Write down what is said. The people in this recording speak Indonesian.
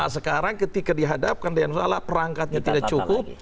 sekarang ketika dihadapkan dengan salah perangkatnya tidak cukup